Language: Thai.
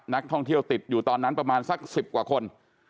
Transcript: นักท่องเที่ยวติดอยู่ตอนนั้นประมาณสัก๑๐กว่าคน